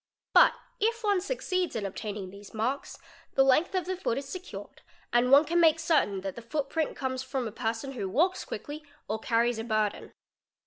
But if one succeeds in obtaining these marks, the length of the foot is secured and one can make certain that the footprint comes from a person who walks quickly or "carries a burden.